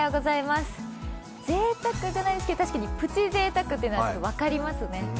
ぜいたくじゃないですけど、プチぜいたくというのは分かりますね。